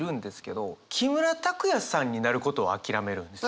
木村拓哉さんになることを諦めるんですよ。